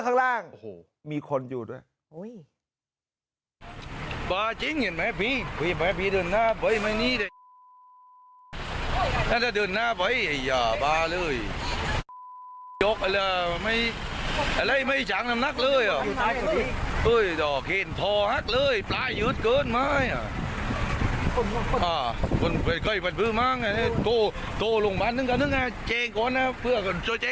ข้างล่างโอ้โหมีคนอยู่ด้วย